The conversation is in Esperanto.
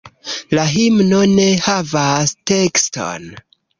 La himno ne havas tekston.